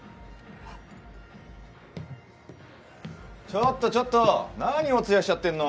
・・ちょっとちょっと何お通夜しちゃってんの。